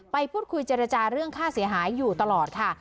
ไปพูดคุยเจรจาเรื่องค่าเสียหายอยู่ตลอดค่ะ